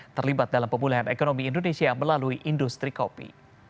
terlibat dalam pemulihan ekonomi indonesia melalui industri kopi